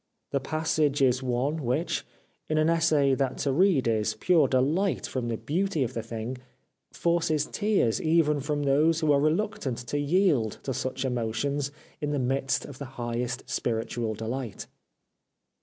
The passage is one which — in an essay that to read is pure delight from the beauty of the thing — forces tears even from those who are reluctant to yield to such emotions in the midst of the highest spiritual delight.